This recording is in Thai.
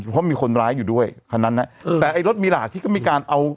เพราะมีคนร้ายอยู่ด้วยคันนั้นน่ะเออแต่ไอ้รถมีหลาดที่ก็มีการเอา